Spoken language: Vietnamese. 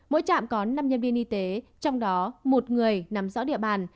mỗi trạm có năm nhân viên y tế trong đó một người nắm rõ địa bàn